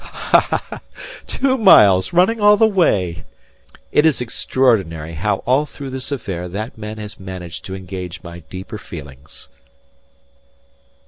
Ha! Ha! Two miles, running all the way!... It is extraordinary how all through this affair that man has managed to engage my deeper feelings."